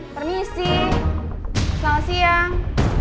permisi selamat siang